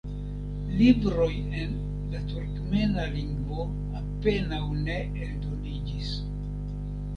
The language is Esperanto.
Libroj en la turkmena lingvo apenaŭ ne eldoniĝis.